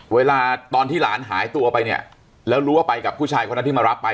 เวลาตอนที่หลานหายตัวไปเนี่ยแล้วรู้ว่าไปกับผู้ชายคนนั้นที่มารับไป